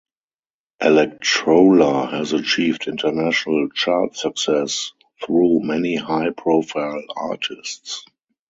Electrola has achieved international chart success through many high-profile artists.